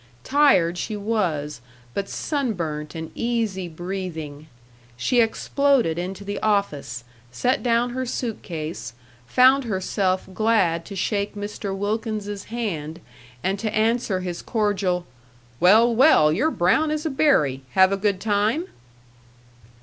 Tired she was, but sunburnt and easy breathing. She exploded into the office, set down her suit case, found herself glad to shake Mr. Wilkins's hand and to answer his cordial, "Well, well, you're brown as a berry. Have a good time?"